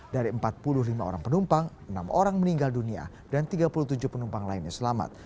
dari empat puluh lima orang penumpang enam orang meninggal dunia dan tiga puluh tujuh penumpang lainnya selamat